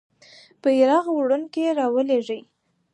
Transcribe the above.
بیرغ وړونکی رالویږي.